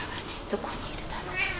どこにいるだろう。